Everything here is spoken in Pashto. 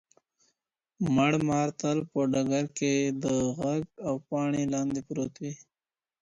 مړ مار تل په ډګر کي د ږغ او پاڼي لاندې پروت وي.